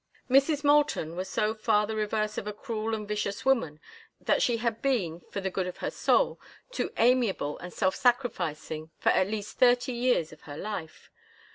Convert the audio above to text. Mrs. Moulton was so far the reverse of a cruel and vicious woman that she had been, for the good of her soul, too amiable and self sacrificing for at least thirty years of her life.